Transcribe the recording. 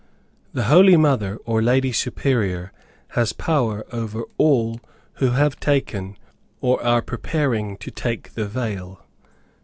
The Holy Mother, or Lady Superior, has power over all who have taken or are preparing to take the veil.